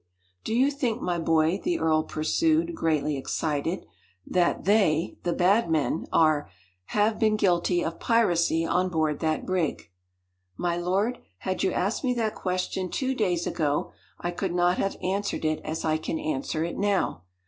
"Do you think, my boy," the earl pursued, greatly excited, "that they the bad men are have been guilty of piracy on board that brig?" "My lord, had you asked me that question two days ago, I could not have answered it as I can answer it now.